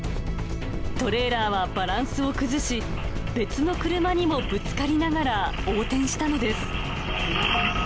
トレーラーはバランスを崩し、別の車にもぶつかりながら横転したのです。